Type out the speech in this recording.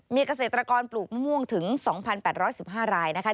มีเกษตรกรปลูกมะม่วงถึง๒๘๑๕รายนะคะ